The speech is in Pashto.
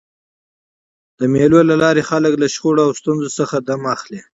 د مېلو له لاري خلک له شخړو او ستونزو څخه دمه اخلي.